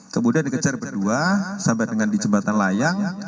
kemudian dikejar berdua sampai dengan di jembatan layang